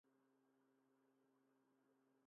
Fent servir les coses d'una manera santificada.